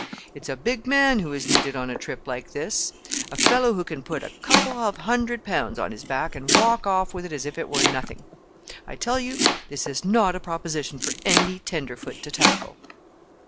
It's a big man who is needed on a trip like this, a fellow who can put a couple of hundred pounds on his back and walk off with it as if it were nothing. I tell you this is not a proposition for any tenderfoot to tackle!"